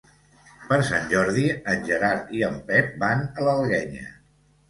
Per Sant Jordi en Gerard i en Pep van a l'Alguenya.